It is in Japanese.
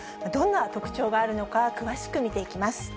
どんな特徴があるのか、詳しく見ていきます。